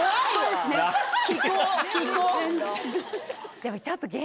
でもちょっと。